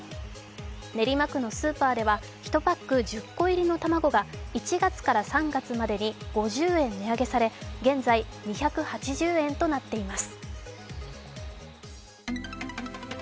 練馬区のスーパーでは１パック１０個入りの卵が１月から３月までに５０円値上げされ、現在２８０円となっています。